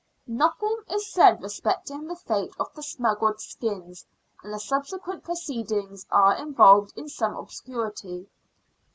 Nothing is said respecting the fate of the smuggled skins, and the subsequent proceedings are involved in some obscurity.